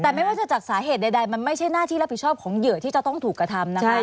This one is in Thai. แต่ไม่ว่าจะจากสาเหตุใดมันไม่ใช่หน้าที่รับผิดชอบของเหยื่อที่จะต้องถูกกระทำนะคะ